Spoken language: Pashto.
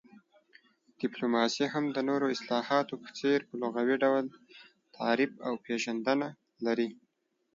ډيپلوماسي هم د نورو اصطلاحاتو په څير په لغوي ډول تعريف او پيژندنه لري